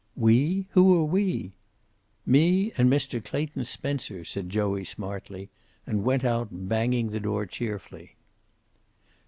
"We? Who are 'we'?" "Me and Mr. Clayton Spencer," said Joey, smartly, and went out, banging the door cheerfully.